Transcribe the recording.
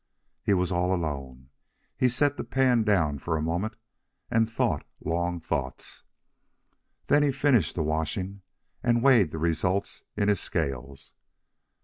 He was all alone. He set the pan down for a moment and thought long thoughts. Then he finished the washing, and weighed the result in his scales.